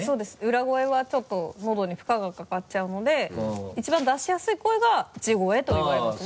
裏声はちょっと喉に負荷がかかっちゃうので一番出しやすい声が地声といわれますね。